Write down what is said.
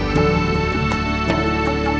putih anak ayam